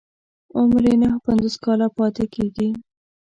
عمر يې نهه پنځوس کاله پاتې کېږي.